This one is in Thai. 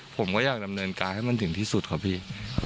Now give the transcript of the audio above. ผมก็อยากดำเนินการให้มันถึงที่สุดครับพี่